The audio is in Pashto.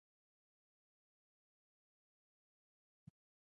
کلی پاک ساتئ